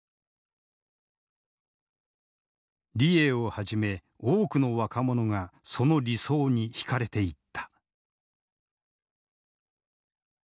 李鋭をはじめ多くの若者がその理想に引かれていった。